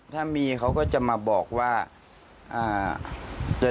ถ้ามีเขาก็จะมาบอกว่า